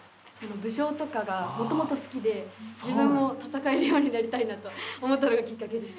武将とかがもともと好きで自分も戦えるようになりたいなと思ったのがきっかけです。